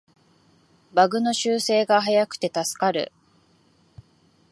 バグの修正が早くて助かる